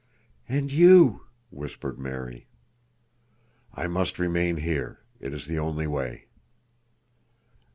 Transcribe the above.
"And you!" whispered Mary. "I must remain here. It is the only way."